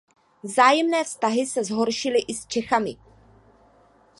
Vzájemné vztahy se zhoršily i s Čechami.